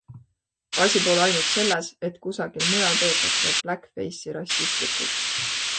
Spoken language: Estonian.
Asi pole ainult selles, et kusagil mujal peetakse blackface'i rassistlikuks.